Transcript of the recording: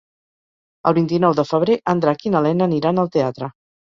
El vint-i-nou de febrer en Drac i na Lena aniran al teatre.